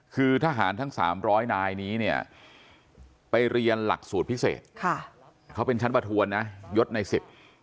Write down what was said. คือทหารทั้ง๓๐๐นายนี้ไปเรียนหลักสูตรพิเศษเขาเป็นชั้นประถวนยศใน๑๐